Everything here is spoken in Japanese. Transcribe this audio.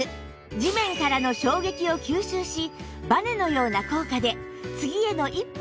地面からの衝撃を吸収しバネのような効果で次への一歩が出やすいんです